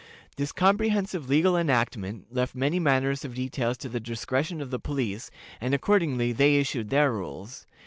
This comprehensive legal enactment left many matters of detail to the discretion of the police, and accordingly they issued their rules.